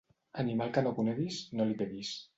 Animal que no coneguis, no li peguis.